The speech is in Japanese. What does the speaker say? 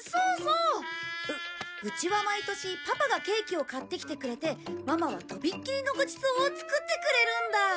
ううちは毎年パパがケーキを買ってきてくれてママはとびっきりのごちそうを作ってくれるんだ。